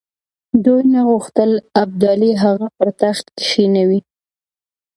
دوی نه غوښتل ابدالي هغه پر تخت کښېنوي.